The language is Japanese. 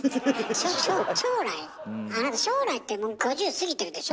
あなた将来ってもう５０過ぎてるでしょ。